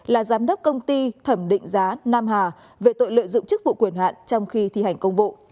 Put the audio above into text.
là giám đốc công ty thẩm định giá nam hà về tội lợi dụng chức vụ quyền hạn trong khi thi hành công vụ